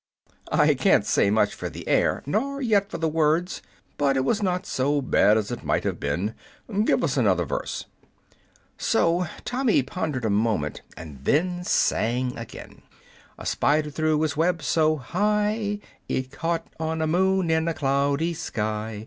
"I can't say much for the air, nor yet for the words; but it was not so bad as it might have been. Give us another verse." So Tommy pondered a moment, and then sang again: "A spider threw its web so high It caught on a moon in a cloudy sky.